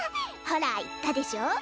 ほら言ったでしょ？